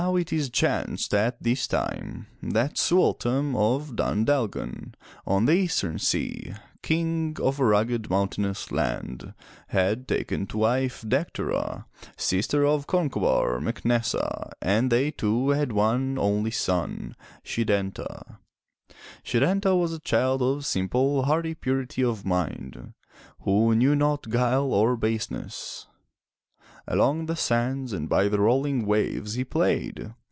FROM THE TOWER WINDOW Now it chanced at this time that Su artam of Dun Dal'gan on the Eastern Sea, King of a rugged, mountainous land, had taken to wife Dec ter'a, sister of Con'co bar Mac Nes'sa, and they two had one only son, Se tan'ta. Se tan'ta was a child of simple, hardy purity of mind who knew not guile or baseness. Along the sands and by the rolling waves he played.